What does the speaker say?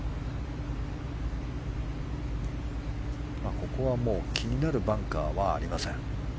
ここは気になるバンカーはありません。